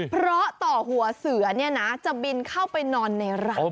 เพราะต่อหัวเสือเนี่ยนะจะบินเข้าไปนอนในรัง